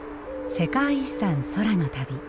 世界遺産空の旅。